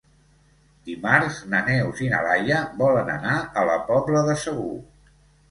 Dimarts na Neus i na Laia volen anar a la Pobla de Segur.